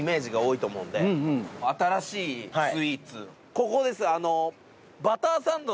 ここです。